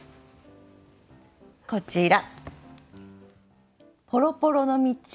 こちら。